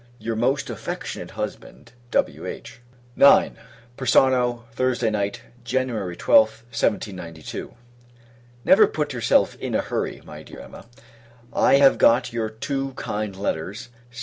Your most affectionate husband, W.H. IX. Persano, Thursday Night, [Jan. 12th, 1792.] Never put yourself in a hurry, my dear Emma. I have got your two kind letters.